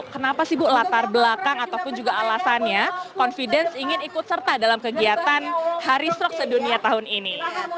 kenapa sih bu latar belakang ataupun juga alasannya confidence ingin ikut serta dalam kegiatan hari stroke sedunia tahun ini